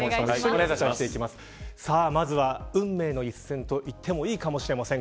まずは、運命の一戦といってもいいかもしれません。